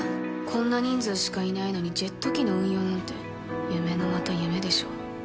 こんな人数しかいないのにジェット機の運用なんて夢のまた夢でしょ。